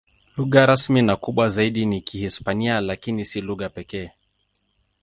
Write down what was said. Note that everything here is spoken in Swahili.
Lugha rasmi na kubwa zaidi ni Kihispania, lakini si lugha pekee.